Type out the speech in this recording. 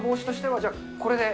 じゃあこれで。